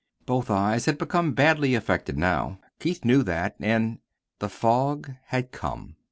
Both eyes had become badly affected now. Keith knew that and THE FOG HAD COME.